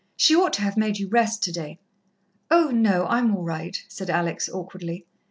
"She ought to have made you rest today." "Oh, no, I'm all right," said Alex awkwardly.